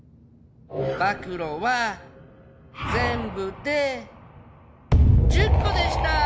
暴露は全部で１０個でしたー！！